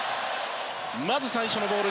まず最初のボール